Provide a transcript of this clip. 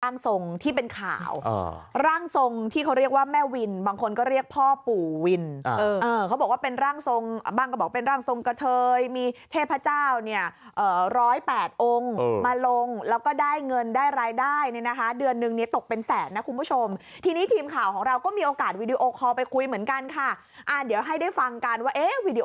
ที่เป็นข่าวร่างทรงที่เขาเรียกว่าแม่วินบางคนก็เรียกพ่อปู่วินเขาบอกว่าเป็นร่างทรงบ้างก็บอกเป็นร่างทรงกระเทยมีเทพเจ้าเนี่ยร้อยแปดองค์มาลงแล้วก็ได้เงินได้รายได้เนี่ยนะคะเดือนนึงเนี่ยตกเป็นแสนนะคุณผู้ชมทีนี้ทีมข่าวของเราก็มีโอกาสวีดีโอคอลไปคุยเหมือนกันค่ะอ่าเดี๋ยวให้ได้ฟังกันว่าเอ๊